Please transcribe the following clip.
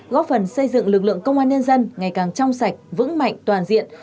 góp phần xây dựng lực lượng công an nhân dân ngày càng trong sạch vững mạnh toàn diện